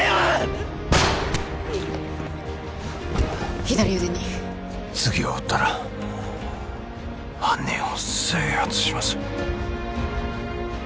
うっ左腕に次を撃ったら犯人を制圧します